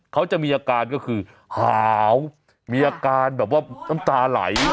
เขาจะมีอาการก็คือหาวมีอาการแบบว่าน้ำตาไหล